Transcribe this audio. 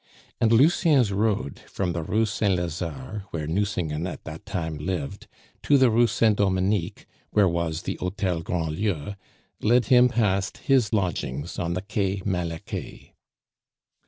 And Lucien's road from the Rue Saint Lazare, where Nucingen at that time lived, to the Rue Saint Dominique, where was the Hotel Grandlieu, led him past his lodgings on the Quai Malaquais.